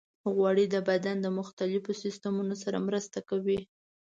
غوړې د بدن د مختلفو سیستمونو سره مرسته کوي.